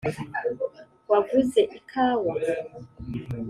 wavuze ikawa?